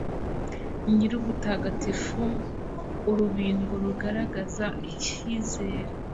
nyirubutagatifu, urubingo rugaragaza icyizere